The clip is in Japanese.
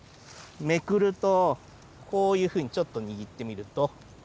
めくるとこういうふうにちょっと握ってみると。